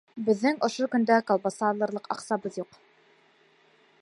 Беҙҙең ошо көндә колбаса алырлыҡ аҡсабыҙ юҡ.